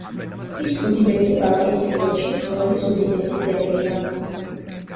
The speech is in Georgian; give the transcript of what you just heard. ის უდიდესი ბალტიისპირეთში ცხოველის უდიდესი ძეგლია.